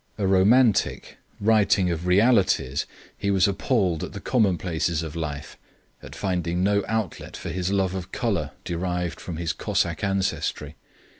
A romantic, writing of realities, he was appalled at the commonplaces of life, at finding no outlet for his love of colour derived from his Cossack ancestry.